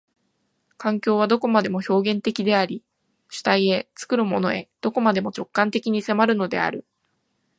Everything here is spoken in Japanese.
環境はどこまでも表現的であり、主体へ、作るものへ、どこまでも直観的に迫るのである。